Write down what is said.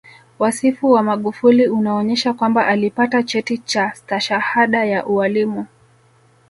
Wasifu wa Magufuli unaonyesha kwamba alipata cheti cha Stashahada ya ualimu